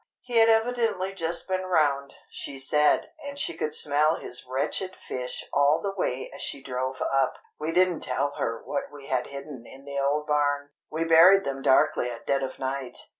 He had evidently just been round, she said, and she could smell his wretched fish all the way as she drove up. We didn't tell her what we had hidden in the old barn. We buried them darkly at dead of night.